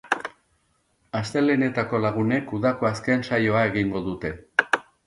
Astelehenetako lagunek udako azken saioa egingo dute.